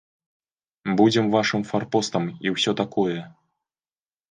Будзем вашым фарпостам і ўсё такое.